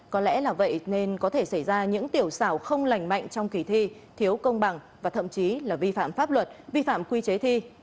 có lẽ là vậy nên có thể xảy ra những tiểu xảo không lành mạnh trong kỳ thi thiếu công bằng và thậm chí là vi phạm pháp luật vi phạm quy chế thi